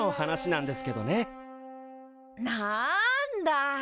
なんだ。